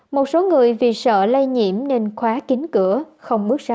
một số người vì sợ lây nhiễm nên khóa kính